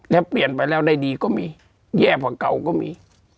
แล้วเปลี่ยนไปแล้วได้ดีก็มีแย่กว่าเก่าก็มี